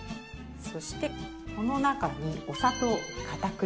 そしてこの中にお砂糖片栗粉。